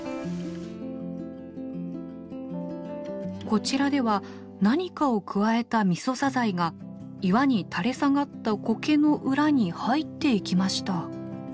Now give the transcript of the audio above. こちらでは何かをくわえたミソサザイが岩に垂れ下がったコケの裏に入っていきました。